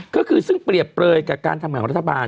ก็คือซึ่งเปรียบเปลยกับการทำงานของรัฐบาล